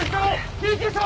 救急車を！